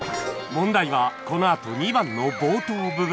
問題はこのあと２番の冒頭部分